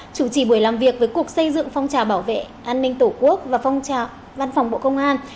chủ trì buổi làm việc với cục xây dựng phong trào bảo vệ an ninh tổ quốc và văn phòng bộ công an